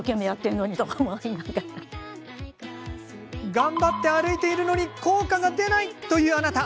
頑張って歩いているのに効果が出ないというあなた！